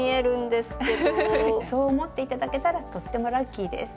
そう思って頂けたらとってもラッキーです。